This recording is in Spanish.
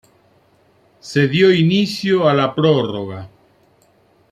Se dio inicio a la prórroga.